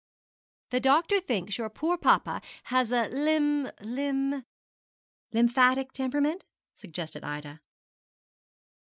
'The doctor thinks your poor papa has a lym lym ' 'Lymphatic temperament?' suggested Ida.